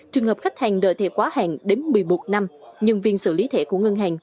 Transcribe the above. trường hợp khách hàng đợi thẻ quá hạn đến một mươi một năm nhân viên xử lý thẻ của ngân hàng